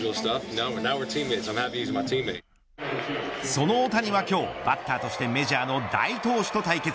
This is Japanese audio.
その大谷は今日バッターとしてメジャーの大投手と対決。